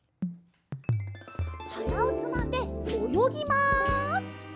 はなをつまんでおよぎます。